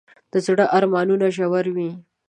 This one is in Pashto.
د زړه ارمانونه ژور وي.